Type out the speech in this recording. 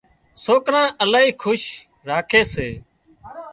سوڪران الاهي شوق راکي سي